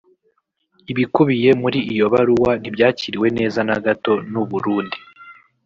Ibikubiye muri iyo baruwa ntibyakiriwe neza na gato n’u Burundi